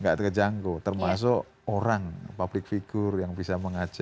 tidak terjangkau termasuk orang publik figur yang bisa mengajak